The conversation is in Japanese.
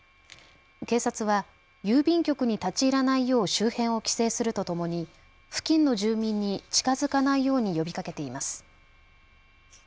警察は郵便局に立ち入らないよう周辺を規制するとともに付近の住民に近づかないように呼びかけています。